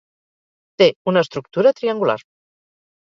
Té una estructura triangular.